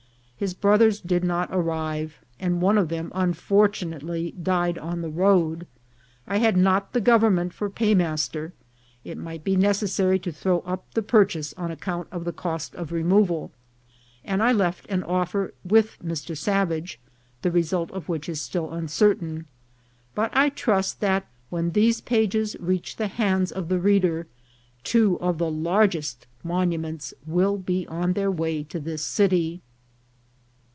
His brothers did not arrive, and one of them unfortunately died on the road. I had not the government for pay master ; it might be necessary to throw up the purchase on account of the cost of removal ; and I left an offer with Mr. Savage, the result of which is still uncertain ; but I trust that when these pages reach the hands of the reader, two of the largest monuments will be on their way to this city.